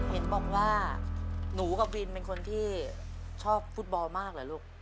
เห็นบอกว่าหนูกับวินเป็นคนที่ชอบฟุตบอลมากเหรอลูก